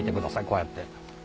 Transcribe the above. こうやって。